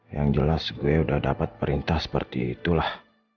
yang jelas gue udah dapat perintah seperti itulah